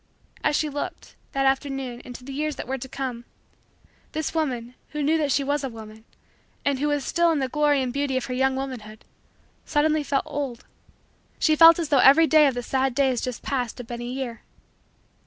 As she looked, that afternoon, into the years that were to come, this woman, who knew that she was a woman, and who was still in the glory and beauty of her young womanhood, felt suddenly old she felt as though every day of the sad days just passed had been a year.